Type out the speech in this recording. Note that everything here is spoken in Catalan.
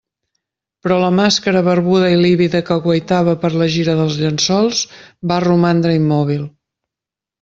Però la màscara barbuda i lívida que guaitava per la gira dels llençols va romandre immòbil.